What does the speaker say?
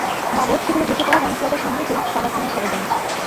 বাবর সেগুলো ধসে পড়া রানা প্লাজার সামনে রেখে সাভার থানায় খবর দেন।